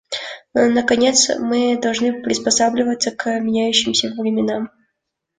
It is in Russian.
Наконец, мы должны приспосабливаться к меняющимся временам.